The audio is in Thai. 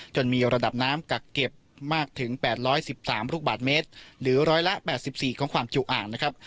มีระดับน้ำกักเก็บมากถึง๘๑๓ลูกบาทเมตรหรือร้อยละ๘๔ของความจุอ่างนะครับ